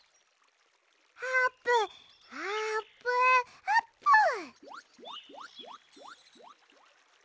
あーぷんあぷんあぷん！